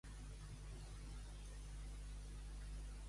Com se n'adona Oisín?